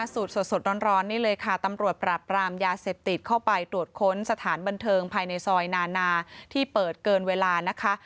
สูตรสดร้อนนี่เลยค่ะตำรวจปราบรามยาเสพติดเข้าไปตรวจค้นสถานบันเทิงภายในซอยนานาที่เปิดเกินเวลานะคะ